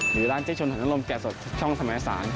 หรือร้านเจ๊ชนถังน้ำลมแก่สดช่องสมสาร